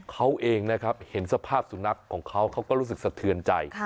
เขาเองนะครับเห็นสภาพสุนัขของเขาเขาก็รู้สึกสะเทือนใจ